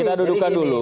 kita dudukan dulu